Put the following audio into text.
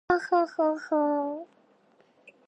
A relación con Portugal é moi importante para nós.